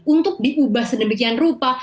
untuk diubah sedemikian rupa